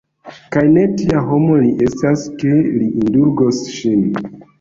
Kaj ne tia homo li estas, ke li indulgos ŝin!